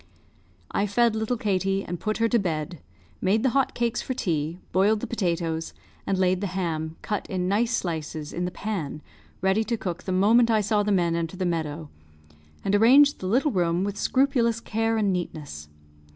I fed little Katie and put her to bed, made the hot cakes for tea, boiled the potatoes, and laid the ham, cut in nice slices, in the pan, ready to cook the moment I saw the men enter the meadow, and arranged the little room with scrupulous care and neatness.